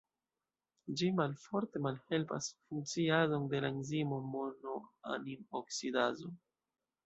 Ĝi malforte malhelpas funkciadon de la enzimo monoamin-oksidazo.